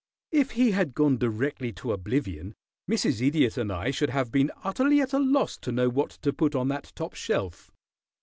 If he had gone directly to oblivion, Mrs. Idiot and I should have been utterly at a loss to know what to put on that top shelf."